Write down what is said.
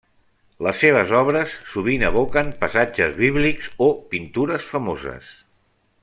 Les seves obres sovint evoquen passatges bíblics o pintures famoses.